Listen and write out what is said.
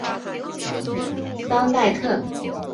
桑代特。